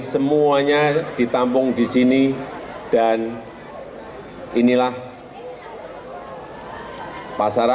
semuanya ditambahkan oleh kementerian pupr dan sma